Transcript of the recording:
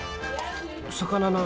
魚の。